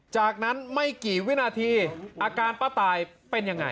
จากนั้นไม่กี่วินาทีอาการป้าตายเป็นยังไง